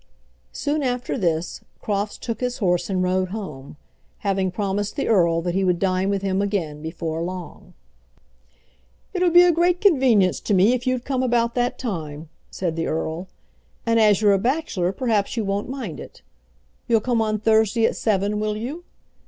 Soon after this, Crofts took his horse and rode home, having promised the earl that he would dine with him again before long. "It'll be a great convenience to me if you'd come about that time," said the earl, "and as you're a bachelor perhaps you won't mind it. You'll come on Thursday at seven, will you?